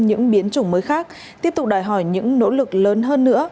những biến chủng mới khác tiếp tục đòi hỏi những nỗ lực lớn hơn nữa